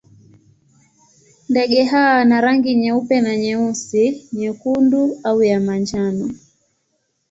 Ndege hawa wana rangi nyeupe na nyeusi, nyekundu au ya manjano.